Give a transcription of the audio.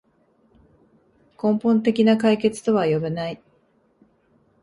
根本的な解決とは呼べない